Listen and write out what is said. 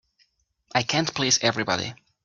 I can't please everybody.